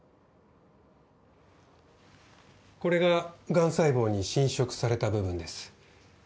これががん細胞に浸食された部分です。